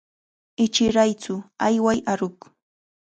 Ichiraytsu, ayway aruq.